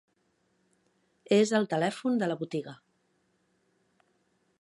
És el telèfon de la botiga.